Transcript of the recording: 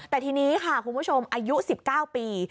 แต่ทีนี้ค่ะคุณผู้ชมอายุ๑๙ปี